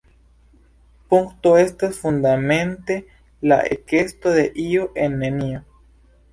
Punkto estas fundamente la ekesto de “io” en “nenio”.